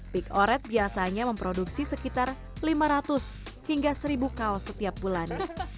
big oret biasanya memproduksi sekitar lima ratus hingga seribu kaos setiap bulan